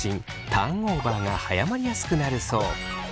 ターンオーバーが早まりやすくなるそう。